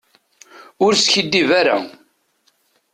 Ur skiddib ara.